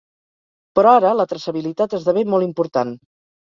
Però ara, la traçabilitat esdevé molt important.